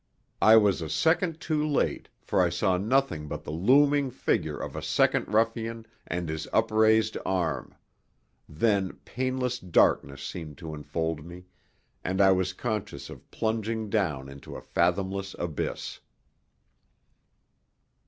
I was a second too late, for I saw nothing but the looming figure of a second ruffian and his upraised arm; then painless darkness seemed to enfold me, and I was conscious of plunging down into a fathomless abyss.